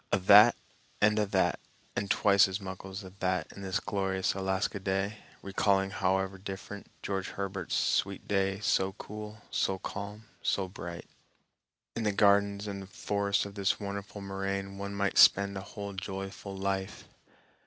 A' that and a' that and twice as muckle's a' that in this glorious Alaska day, recalling, however different, George Herbert's "Sweet day, so cool, so calm, so bright." In the gardens and forests of this wonderful moraine one might spend a whole joyful life.